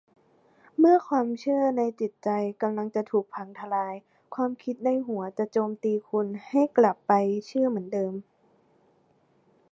เมื่อความเชื่อในจิตใจกำลังจะถูกพังทะลาย ความคิดในหัวจะโจมตีคุณให้กลับไปเชื่อเหมือนเดิม